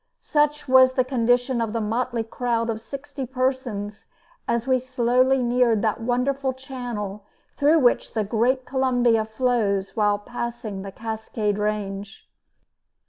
Such was the condition of the motley crowd of sixty persons as we slowly neared that wonderful channel through which the great Columbia flows while passing the Cascade range.